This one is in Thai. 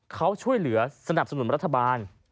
เขาช่วยเหลือสนับสนุนรัฐบาล